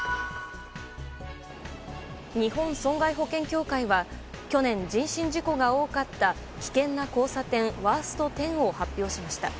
日本損害保険協会は去年、人身事故が多かった危険な交差点ワースト１０を発表しました。